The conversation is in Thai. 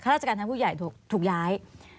ราชการทั้งผู้ใหญ่ถูกย้าย